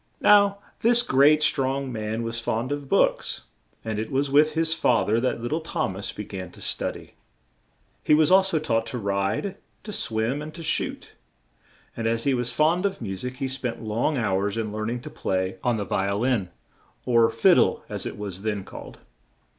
Now, this great, strong man was fond of books, and it was with his fa ther that lit tle Thom as be gan to stu dy. He was al so taught to ride, to swim and to shoot; and as he was fond of mu sic he spent long hours in learn ing to play on the vi o lin, or "fid dle" as it was then called.